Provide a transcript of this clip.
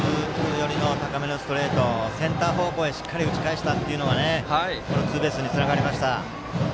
寄りの高めのストレートをセンター方向へしっかり打ち返したのはこのツーベースにつながりました。